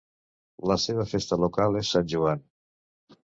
La seva festa local és Sant Joan.